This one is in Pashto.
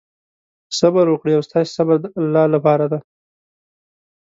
صبر وکړئ او ستاسې صبر د الله لپاره دی.